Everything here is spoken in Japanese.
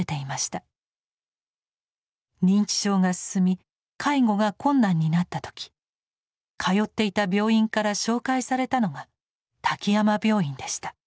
認知症が進み介護が困難になった時通っていた病院から紹介されたのが滝山病院でした。